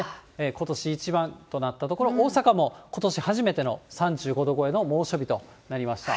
ことし一番となった所、大阪もことし初めての３５度超えの猛暑日となりました。